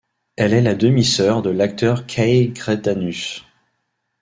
Elle est la demi-sœur de l'acteur Kay Greidanus.